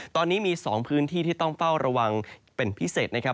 ตอนนี้มี๒พื้นที่ที่ต้องเฝ้าระวังเป็นพิเศษนะครับ